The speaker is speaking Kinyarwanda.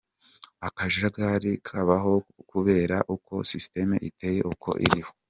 Akajagari kabaho kubera uko system iteye, uko iriho.